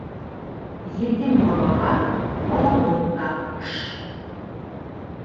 Етем балаға балауыҙ ҙа аш.